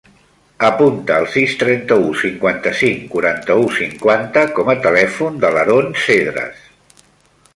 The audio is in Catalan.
Apunta el sis, trenta-u, cinquanta-cinc, quaranta-u, cinquanta com a telèfon de l'Haron Cedres.